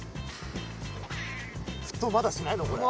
沸騰まだしないのこれ？